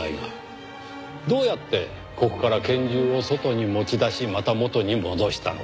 どうやってここから拳銃を外に持ち出しまた元に戻したのか？